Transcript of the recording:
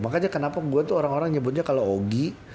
makanya kenapa gue tuh orang orang nyebutnya kalau ogi